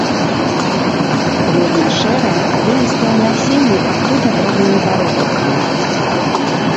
Бледна-шэрае, алеістае насенне пакрыта дробнымі бародаўкамі.